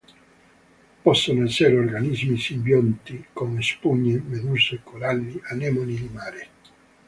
Possono essere organismi simbionti con spugne, meduse, coralli, anemoni di mare.